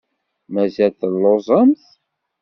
Mazal telluẓemt?